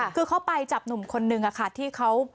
คือเขาไปจับหนุ่มคนนึงค่ะที่เขา